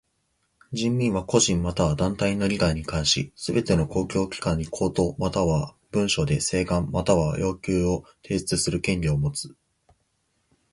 人民は個人または団体の利害に関しすべての公共機関に口頭または文書で請願または要求を提出する権利をもつ。